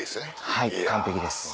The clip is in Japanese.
はい完璧です。